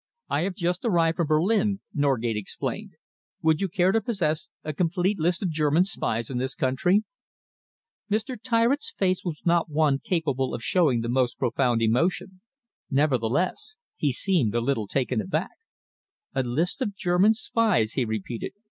"I have just arrived from Berlin," Norgate explained. "Would you care to possess a complete list of German spies in this country?" Mr. Tyritt's face was not one capable of showing the most profound emotion. Nevertheless, he seemed a little taken aback. "A list of German spies?" he repeated.